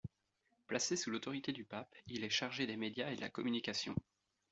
Placé sous l'autorité du pape, il est chargé des médias et de la communication.